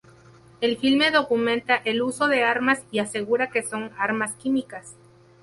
El filme documenta el uso de armas y asegura que son armas químicas.